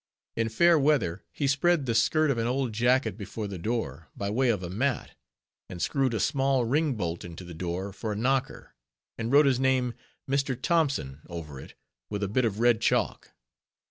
In fair weather, he spread the skirt of an old jacket before the door, by way of a mat; and screwed a small ring bolt into the door for a knocker; and wrote his name, "Mr. Thompson," over it, with a bit of red chalk.